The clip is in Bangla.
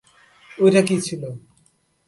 ঐটা কি ছিল?